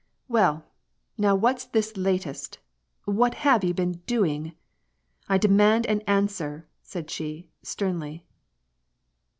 " Well, now what's this latest ? What have you been doing ? I demand an answer !" said she, sternly.